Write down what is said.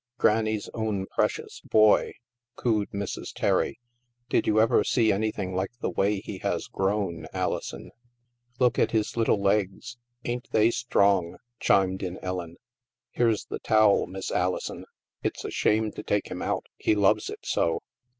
" Granny's own precious boy," cooed Mrs. Terry ; "did you ever see anything like the way he has grown, Alison ?" "Look at his little legs; ain't they strong?" chimed in Ellen. " Here's the towel. Miss Alison. It's a shame to take him out, he loves it so."